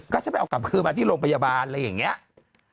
ก็ฉันไปเอากลับคืนมาที่โรงพยาบาลอะไรอย่างนี้